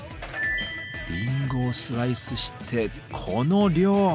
りんごをスライスしてこの量！